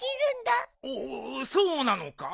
おおっそうなのか？